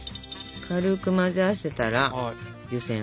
軽く混ぜ合わせたら湯せん。